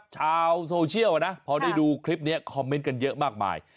ชาวโซเชียลนะพอได้ดูคลิปนี้คอมเมนต์กันเยอะมากมาย